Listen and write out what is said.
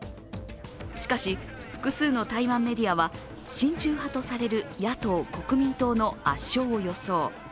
しかし複数の台湾メディアは親中派とされる野党・国民党の圧勝を予想。